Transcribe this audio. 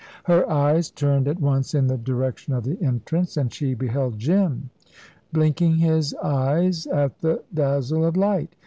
Her eyes turned at once in the direction of the entrance, and she beheld Jim blinking his eyes at the dazzle of light.